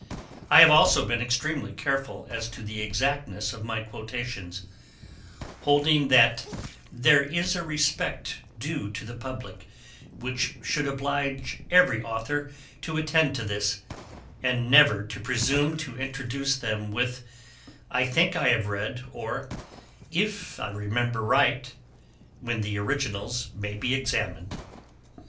I have also been extremely careful as to the exactness of my quotations; holding that there is a respect due to the publick which should oblige every Authour to attend to this, and never to presume to introduce them with, 'I think I have read;' or, 'If I remember right;' when the originals may be examined.